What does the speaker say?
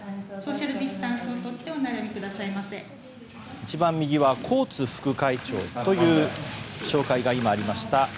一番右はコーツ副会長という紹介が今、ありました。